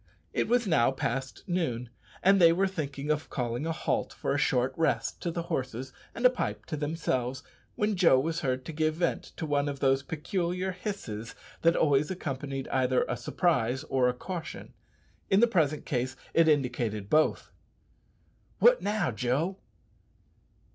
It was now past noon, and they were thinking of calling a halt for a short rest to the horses and a pipe to themselves, when Joe was heard to give vent to one of those peculiar hisses that always accompanied either a surprise or a caution. In the present case it indicated both. "What now, Joe?"